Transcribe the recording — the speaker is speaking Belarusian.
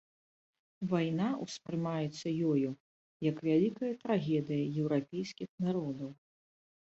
Вайна ўспрымаецца ёю як вялікая трагедыя еўрапейскіх народаў.